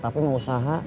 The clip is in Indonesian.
tapi mau usaha